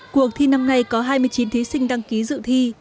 cuộc thi năm nay có hai mươi chín thí sinh đăng ký dự thi